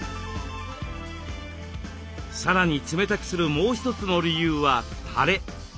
さらに冷たくするもう一つの理由はたれ。